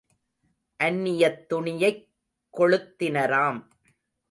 அந்நியத் துணியைக் கொளுத்தினராம்.